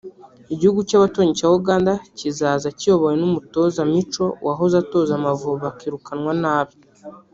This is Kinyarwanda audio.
Igihugu cy’abaturanyi cya Uganda kizaza kiyobowe n’umutoza Micho wahoze atoza Amavubi akirukanwa nabi